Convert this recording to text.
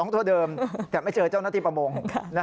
ตัวเดิมแต่ไม่เจอเจ้าหน้าที่ประมง